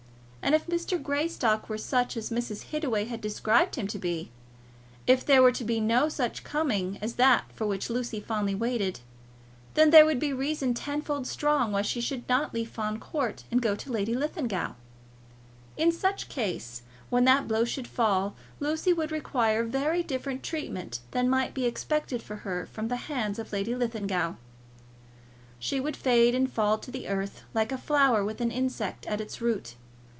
And if Mr. Greystock were such as Mrs. Hittaway had described him to be, if there were to be no such coming as that for which Lucy fondly waited, then there would be reason ten fold strong why she should not leave Fawn Court and go to Lady Linlithgow. In such case, when that blow should fall, Lucy would require very different treatment than might be expected for her from the hands of Lady Linlithgow. She would fade and fall to the earth like a flower with an insect at its root.